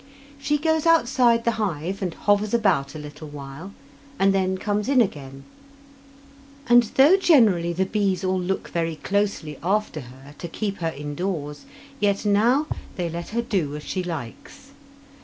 She goes outside the hive and hovers about a little while, and then comes in again, and though generally the bees all look very closely after her to keep her indoors, yet now they let her do as she likes.